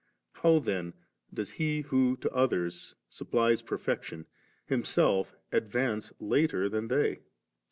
How then does He who to others supplies per fection, Himself advance later than they?